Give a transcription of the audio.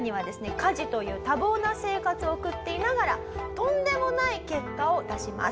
家事という多忙な生活を送っていながらとんでもない結果を出します。